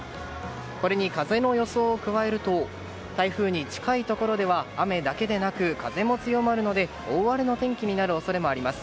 これに風の予想を加えると台風に近いところでは雨だけでなく風も強まるので大荒れの天気になる恐れもあります。